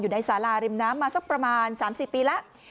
ในสาราริมน้ำมาสักประมาณ๓๔ปีแล้ว